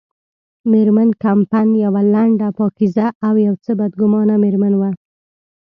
مېرمن کمپن یوه لنډه، پاکیزه او یو څه بدګمانه مېرمن وه.